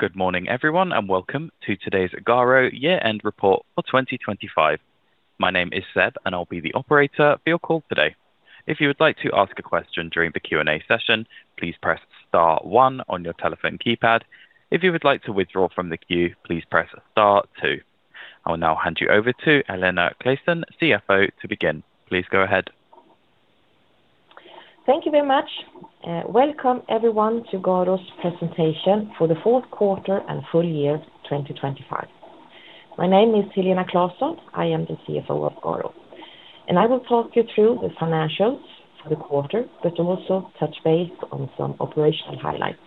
Good morning, everyone, and welcome to today's GARO's year-end report for 2025. My name is Seb, and I'll be the operator for your call today. If you would like to ask a question during the Q&A session, please press star one on your telephone keypad. If you would like to withdraw from the queue, please press star two. I will now hand you over to Helena Claesson, CFO, to begin. Please go ahead. Thank you very much. Welcome, everyone, to GARO's presentation for the Q4 and full year 2025. My name is Helena Claesson. I am the CFO of GARO's, and I will talk you through the financials for the quarter, but also touch base on some operational highlights.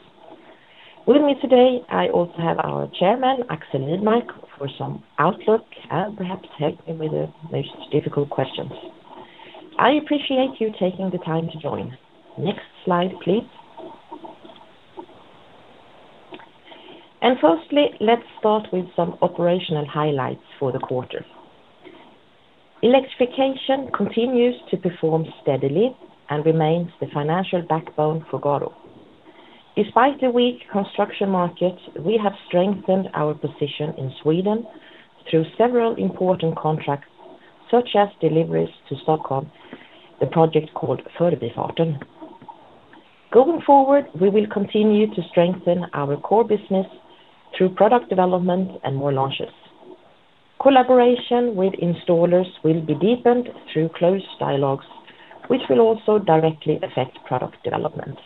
With me today, I also have our Chairman, Axel Lidmark, for some outlook and perhaps help me with the most difficult questions. I appreciate you taking the time to join. Next slide, please. Firstly, let's start with some operational highlights for the quarter. Electrification continues to perform steadily and remains the financial backbone for GARO's. Despite the weak construction market, we have strengthened our position in Sweden through several important contracts, such as deliveries to Stockholm, the project called Förbifart Stockholm. Going forward, we will continue to strengthen our core business through product development and more launches. Collaboration with installers will be deepened through close dialogues, which will also directly affect product development.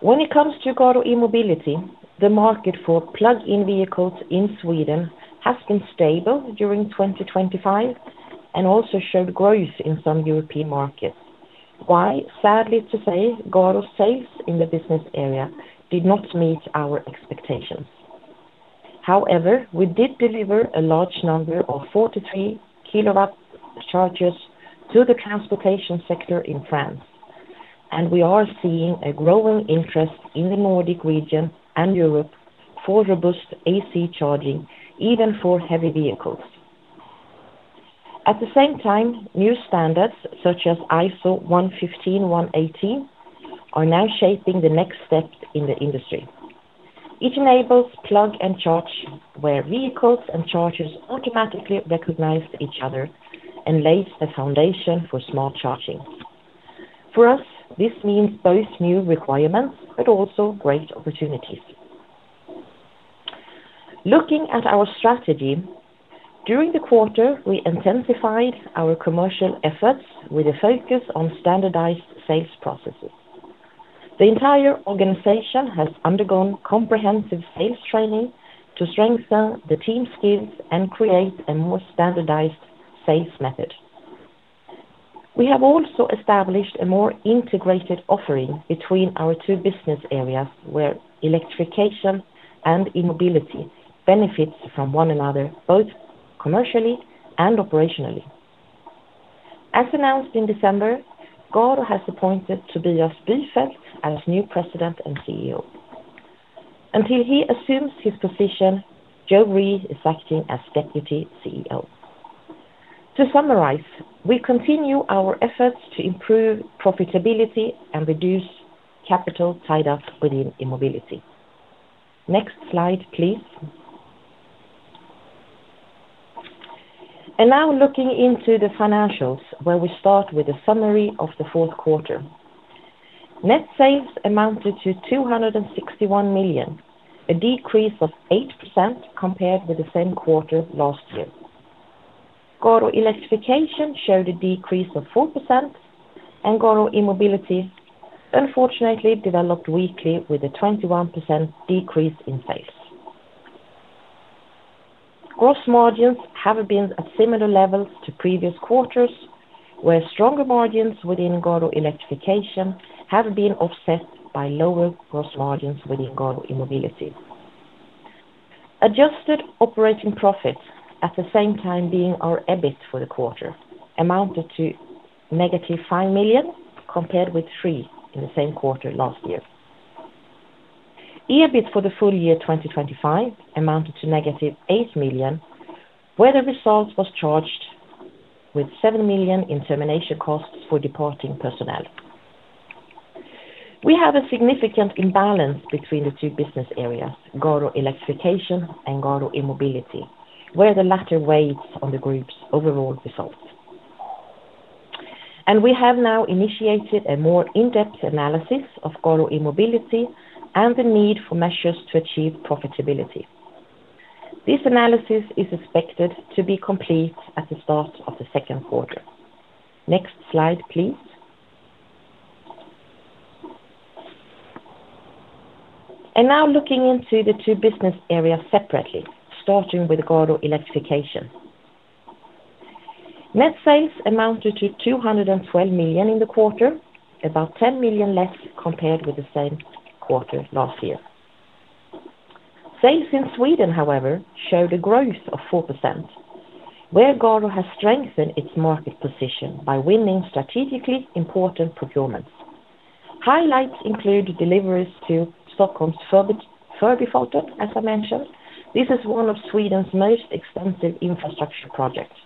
When it comes to GARO's E-Mobility, the market for plug-in vehicles in Sweden has been stable during 2025 and also showed growth in some European markets. While, sadly to say, GARO's sales in the business area did not meet our expectations. However, we did deliver a large number of 43 kW chargers to the transportation sector in France, and we are seeing a growing interest in the Nordic region and Europe for robust AC charging, even for heavy vehicles. At the same time, new standards, such as ISO 15118, are now shaping the next step in the industry. It enables Plug & Charge, where vehicles and chargers automatically recognize each other and lays the foundation for smart charging. For us, this means both new requirements but also great opportunities. Looking at our strategy, during the quarter, we intensified our commercial efforts with a focus on standardized sales processes. The entire organization has undergone comprehensive sales training to strengthen the team skills and create a more standardized sales method. We have also established a more integrated offering between our two business areas, where electrification and e-mobility benefits from one another, both commercially and operationally. As announced in December, GARO's has appointed Tobias Biefeld as new President and CEO. Until he assumes his position, Jonas Rydin is acting as Deputy CEO. To summarize, we continue our efforts to improve profitability and reduce capital tied up within e-mobility. Next slide, please. Now looking into the financials, where we start with a summary of the Q4. Net sales amounted to 261 million, a decrease of 8% compared with the same quarter last year. GARO's Electrification showed a decrease of 4%, and GARO's E-Mobility unfortunately developed weakly, with a 21% decrease in sales. Gross margins have been at similar levels to previous quarters, where stronger margins within GARO's Electrification have been offset by lower gross margins within GARO's E-Mobility. Adjusted operating profits, at the same time being our EBIT for the quarter, amounted to -5 million, compared with 3 million in the same quarter last year. EBIT for the full year 2025 amounted to -8 million, where the result was charged with 7 million in termination costs for departing personnel. We have a significant imbalance between the two business areas, GARO's Electrification and GARO's E-Mobility, where the latter weighs on the group's overall results. We have now initiated a more in-depth analysis of GARO's E-Mobility and the need for measures to achieve profitability. This analysis is expected to be complete at the start of the Q2. Next slide, please. Now looking into the two business areas separately, starting with GARO's Electrification. Net sales amounted to 212 million in the quarter, about 10 million less compared with the same quarter last year. Sales in Sweden, however, showed a growth of 4%, where GARO's has strengthened its market position by winning strategically important procurements. Highlights include deliveries to the Förbifart Stockholm, as I mentioned. This is one of Sweden's most expensive infrastructure projects....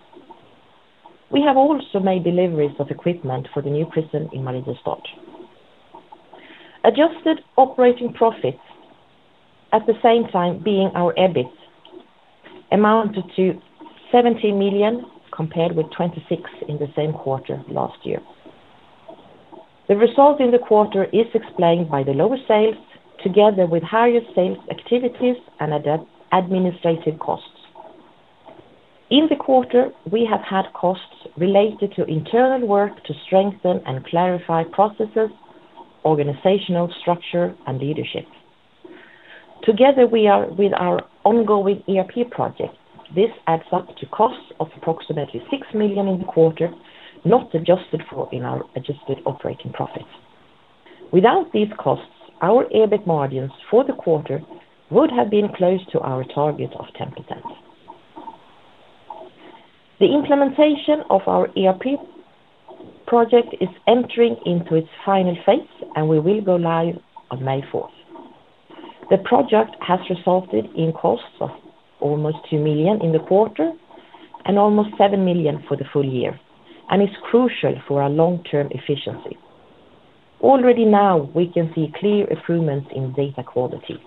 We have also made deliveries of equipment for the new prison in Mariestad. Adjusted operating profits, at the same time being our EBIT, amounted to 17 million, compared with 26 million in the same quarter last year. The result in the quarter is explained by the lower sales, together with higher sales activities and administrative costs. In the quarter, we have had costs related to internal work to strengthen and clarify processes, organizational structure, and leadership. Together, we are with our ongoing ERP project. This adds up to costs of approximately 6 million in the quarter, not adjusted for in our adjusted operating profits. Without these costs, our EBIT margins for the quarter would have been close to our target of 10%. The implementation of our ERP project is entering into its final phase, and we will go live on May fourth. The project has resulted in costs of almost 2 million in the quarter and almost 7 million for the full year, and is crucial for our long-term efficiency. Already now, we can see clear improvements in data quality.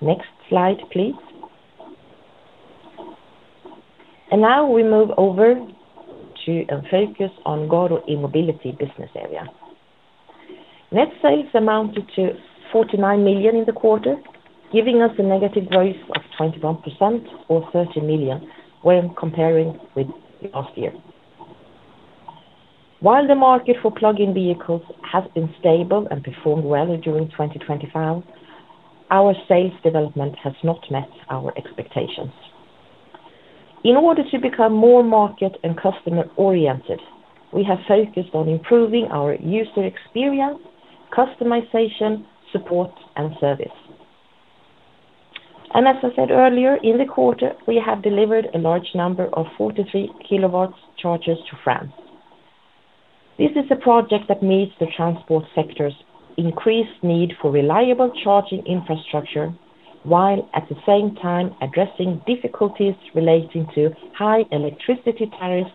Next slide, please. Now we move over to a focus on GARO's E-Mobility business area. Net sales amounted to 49 million in the quarter, giving us a negative growth of 21% or 30 million when comparing with the last year. While the market for plug-in vehicles has been stable and performed well during 2025, our sales development has not met our expectations. In order to become more market and customer-oriented, we have focused on improving our user experience, customization, support, and service. And as I said earlier, in the quarter, we have delivered a large number of 43 kW chargers to France. This is a project that meets the transport sector's increased need for reliable charging infrastructure, while at the same time addressing difficulties relating to high electricity tariffs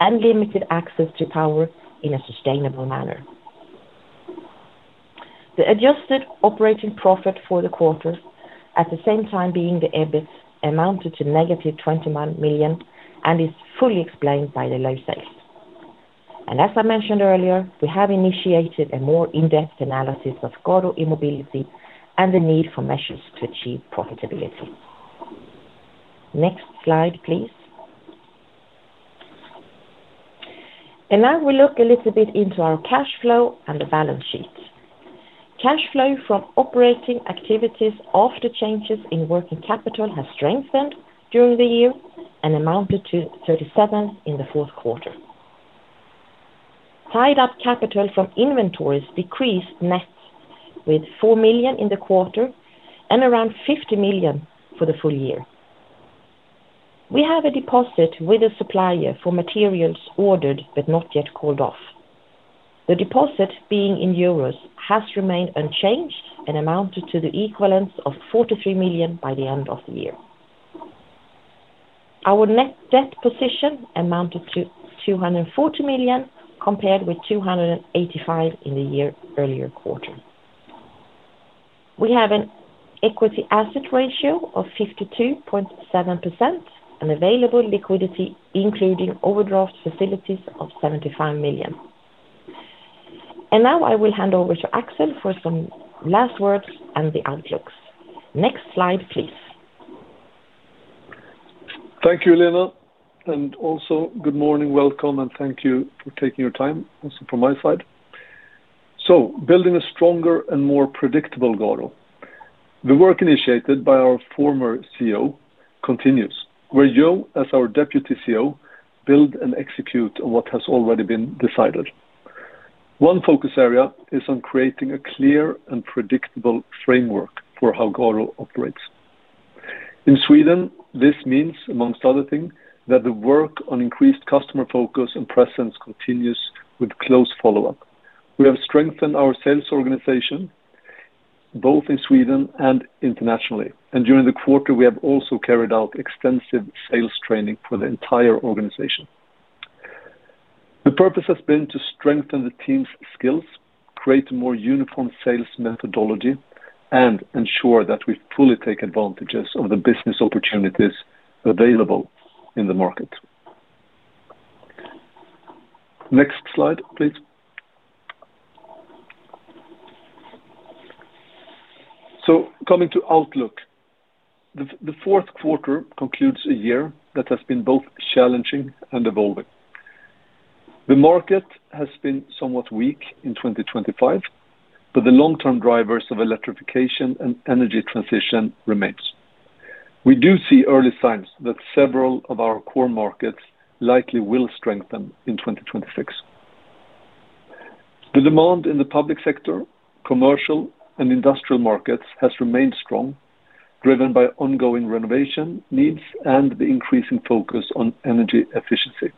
and limited access to power in a sustainable manner. The adjusted operating profit for the quarter, at the same time being the EBIT, amounted to -21 million and is fully explained by the low sales. As I mentioned earlier, we have initiated a more in-depth analysis of GARO's E-Mobility and the need for measures to achieve profitability. Next slide, please. Now we look a little bit into our cash flow and the balance sheet. Cash flow from operating activities after changes in working capital has strengthened during the year and amounted to 37 million in the Q4. Tied up capital from inventories decreased net with 4 million in the quarter and around 50 million for the full year. We have a deposit with a supplier for materials ordered, but not yet called off. The deposit, being in euros, has remained unchanged and amounted to the equivalence of 43 million by the end of the year. Our net debt position amounted to 240 million, compared with 285 million in the year-earlier quarter. We have an equity asset ratio of 52.7% and available liquidity, including overdraft facilities of 75 million. Now I will hand over to Axel for some last words and the outlooks. Next slide, please. Thank you, Helena, and also good morning. Welcome, and thank you for taking your time, also from my side. So building a stronger and more predictable GARO's. The work initiated by our former CEO continues, where Jonas, as our Deputy CEO, build and execute on what has already been decided. One focus area is on creating a clear and predictable framework for how GARO's operates. In Sweden, this means, among other things, that the work on increased customer focus and presence continues with close follow-up. We have strengthened our sales organization both in Sweden and internationally, and during the quarter, we have also carried out extensive sales training for the entire organization. The purpose has been to strengthen the team's skills, create a more uniform sales methodology, and ensure that we fully take advantages of the business opportunities available in the market. Next slide, please. So coming to outlook. The Q4 concludes a year that has been both challenging and evolving. The market has been somewhat weak in 2025, but the long-term drivers of electrification and energy transition remains. We do see early signs that several of our core markets likely will strengthen in 2026. The demand in the public sector, commercial, and industrial markets has remained strong, driven by ongoing renovation needs and the increasing focus on energy efficiency....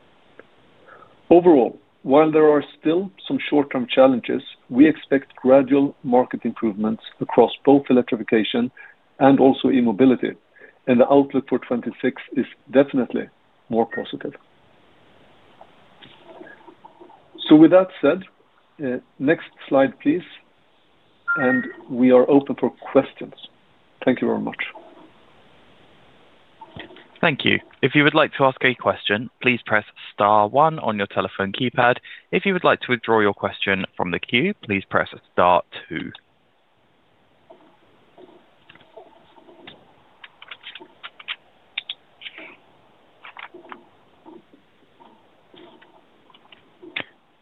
Overall, while there are still some short-term challenges, we expect gradual market improvements across both electrification and also e-mobility, and the outlook for 2026 is definitely more positive. So with that said, next slide, please, and we are open for questions. Thank you very much. Thank you. If you would like to ask a question, please press star one on your telephone keypad. If you would like to withdraw your question from the queue, please press star two.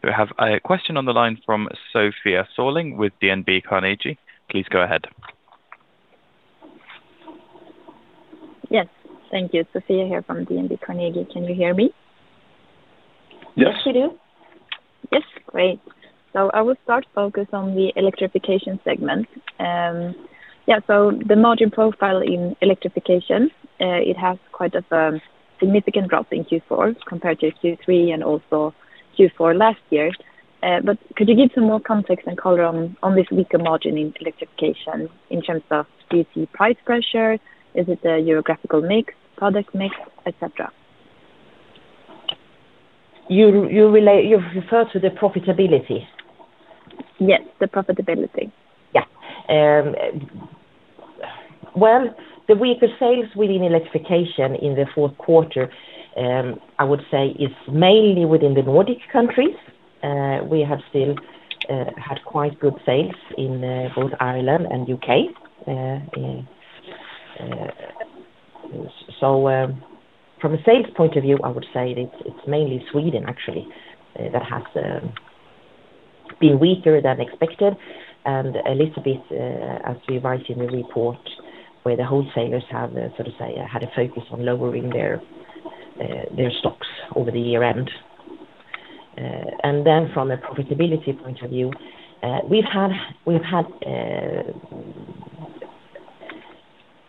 We have a question on the line from Sofia Sörling with DNB Carnegie. Please go ahead. Yes, thank you. Sofia here from DNB Carnegie. Can you hear me? Yes. Yes, we do. Yes. Great. So I will start focus on the electrification segment. Yeah, so the margin profile in electrification, it has quite a significant drop in Q4 compared to Q3 and also Q4 last year. But could you give some more context and color on this weaker margin in electrification in terms of PC price pressure? Is it the geographical mix, product mix, et cetera? You refer to the profitability? Yes, the profitability. Yeah. Well, the weaker sales within electrification in the Q4, I would say is mainly within the Nordic countries. We have still had quite good sales in both Ireland and U.K. So, from a sales point of view, I would say it's mainly Sweden actually that has been weaker than expected, and a little bit as we write in the report, where the wholesalers have sort of say had a focus on lowering their their stocks over the year end. From a profitability point of view, we've had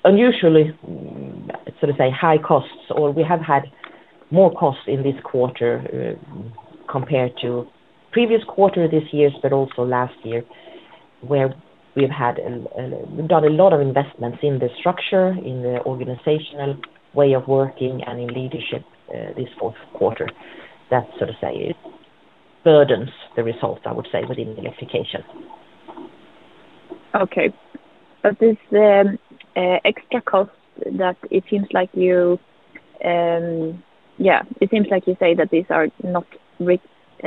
unusually, sort of, say, high costs, or we have had more costs in this quarter compared to previous quarter this year, but also last year, where we've done a lot of investments in the structure, in the organizational way of working and in leadership this Q4. That sort of say, it burdens the result, I would say, within the electrification. Okay. But this extra cost that it seems like you, yeah, it seems like you say that these are not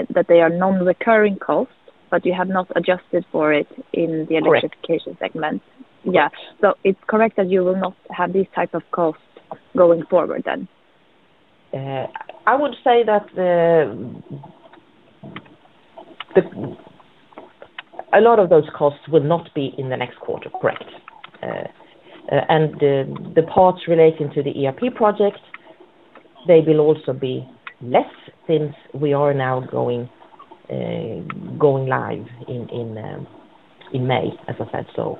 that they are non-recurring costs, but you have not adjusted for it in the- Correct. electrification segment. Yeah. So it's correct that you will not have these type of costs going forward then? I would say that a lot of those costs will not be in the next quarter, correct. And the parts relating to the ERP project, they will also be less since we are now going live in May, as I said. So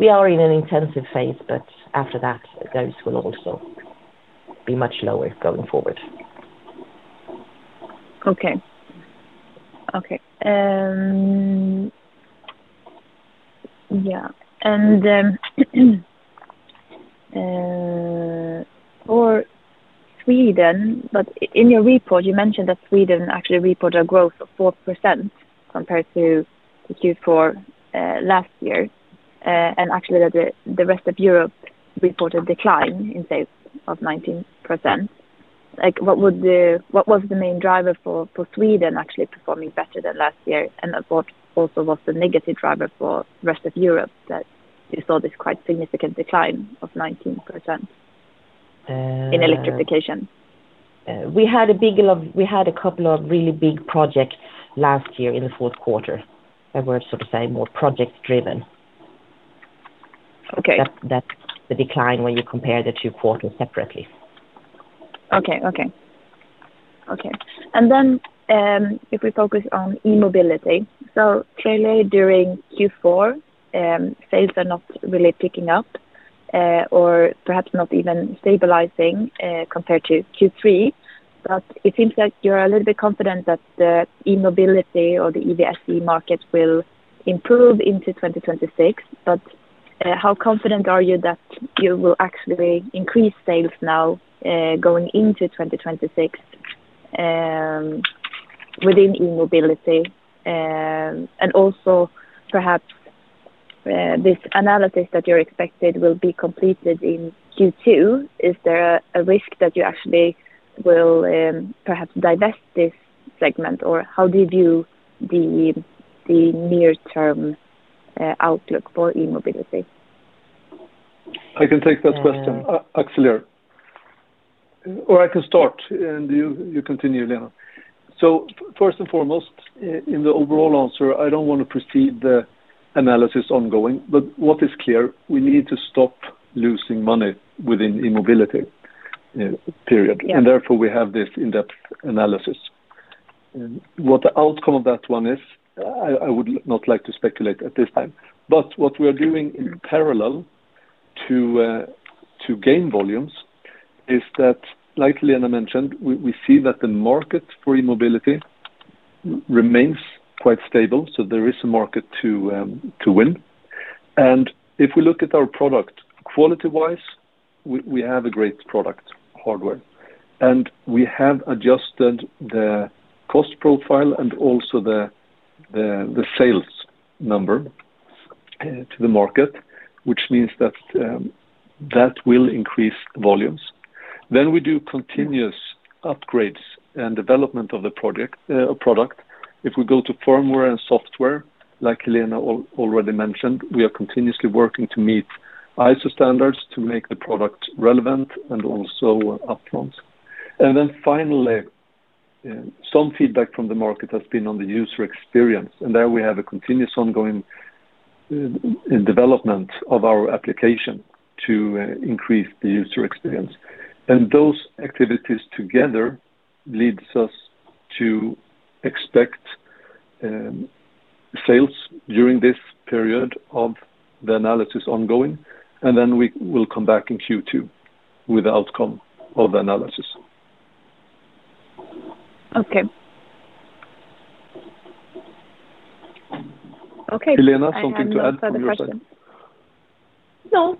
we are in an intensive phase, but after that, those will also be much lower going forward. Okay. Okay. Yeah. And, for Sweden, but in your report, you mentioned that Sweden actually reported a growth of 4% compared to the Q4 last year, and actually that the rest of Europe reported decline in sales of 19%. Like, what was the main driver for Sweden actually performing better than last year? And what also was the negative driver for rest of Europe that you saw this quite significant decline of 19%? Uh. -in electrification? We had a couple of really big projects last year in the Q4 that were, so to say, more project-driven. Okay. That's the decline when you compare the two quarters separately. Okay. And then, if we focus on e-mobility. So clearly, during Q4, sales are not really picking up, or perhaps not even stabilizing, compared to Q3, but it seems like you're a little bit confident that the e-mobility or the EVSE market will improve into 2026. But, how confident are you that you will actually increase sales now, going into 2026, within e-mobility, and also perhaps, this analysis that you're expected will be completed in Q2, is there a risk that you actually will, perhaps divest this segment? Or how do you view the near term outlook for e-mobility? I can take that question, Axel here. Or I can start, and you continue, Lena. So first and foremost, in the overall answer, I don't want to precede the analysis ongoing, but what is clear, we need to stop losing money within e-mobility, period. Yeah. Therefore, we have this in-depth analysis. What the outcome of that one is, I would not like to speculate at this time. But what we are doing in parallel to gain volumes is that, like Helena mentioned, we see that the market for eMobility remains quite stable, so there is a market to win. And if we look at our product, quality-wise, we have a great product, hardware. And we have adjusted the cost profile and also the sales number to the market, which means that that will increase the volumes. Then we do continuous upgrades and development of the product. If we go to firmware and software, like Helena already mentioned, we are continuously working to meet ISO standards to make the product relevant and also upfront. And then finally, some feedback from the market has been on the user experience, and there we have a continuous ongoing in development of our application to increase the user experience. And those activities together leads us to expect sales during this period of the analysis ongoing, and then we will come back in Q2 with the outcome of the analysis. Okay. Okay- Helena, something to add from your side? I have no further question. No.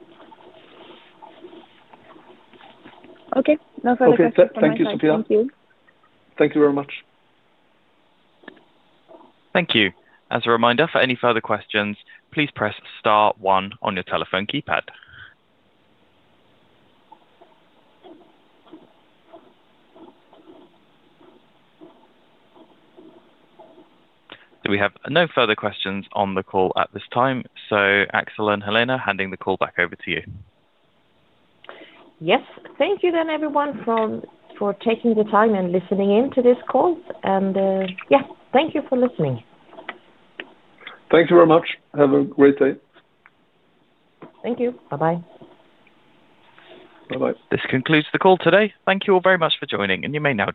Okay, no further question from my side. Okay, thank you, Sofia. Thank you. Thank you very much. Thank you. As a reminder, for any further questions, please press star one on your telephone keypad. So we have no further questions on the call at this time, so Axel and Helena, handing the call back over to you. Yes. Thank you then, everyone, for taking the time and listening in to this call, and yeah, thank you for listening. Thank you very much. Have a great day. Thank you. Bye-bye. Bye-bye. This concludes the call today. Thank you all very much for joining, and you may now disconnect.